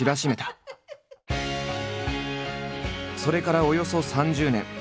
それからおよそ３０年。